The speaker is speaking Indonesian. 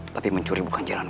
tapi mencuri bukan jalan